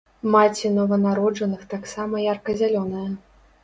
Маці нованароджаных таксама ярка-зялёная.